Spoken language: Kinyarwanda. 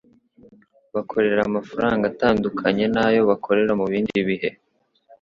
bakorera amafaranga atandukanye n'ayo bakorera mu bindi bihe.